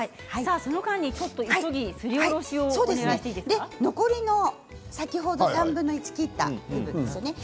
その間に急ぎすりおろしをお願いして残りの３分の１切ったものですね